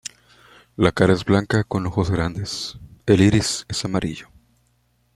La cara es blanca con ojos grandes; el iris es amarillo.